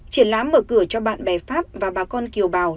triển lãm mở cửa cho bạn bè pháp và bà con kiều bào